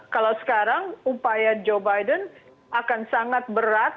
kalau sekarang upaya joe biden akan sangat berat